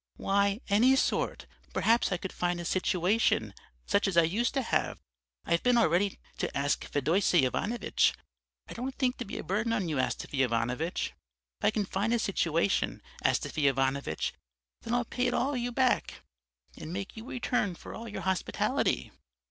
"'Why, any sort; perhaps I could find a situation such as I used to have. I've been already to ask Fedosay Ivanitch. I don't like to be a burden on you, Astafy Ivanovitch. If I can find a situation, Astafy Ivanovitch, then I'll pay it you all back, and make you a return for all your hospitality.'